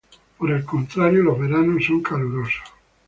Por el contrario, los veranos son calurosos.